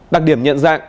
đặc điểm nhận ra